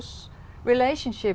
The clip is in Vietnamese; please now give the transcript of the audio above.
kết thúc trường học